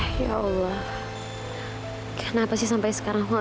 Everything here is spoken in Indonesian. tidak ada yang bisa mengelakkan zahira